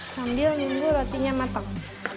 sambil nunggu rotinya matang